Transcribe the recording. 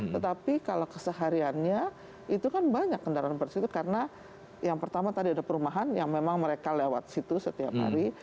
tetapi kalau kesehariannya itu kan banyak kendaraan bersyukur karena yang pertama tadi ada perumahan yang memang mereka lewat situ setiap hari